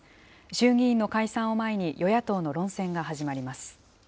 衆議院の解散を前に、与野党の論戦が始まります。